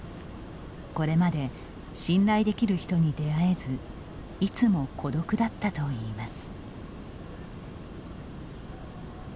これまで信頼できる人に出会えずいつも孤独だったといいます。